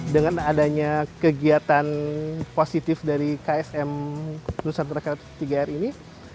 dengan adanya kegiatan positif dari ksm nusantara tiga r ini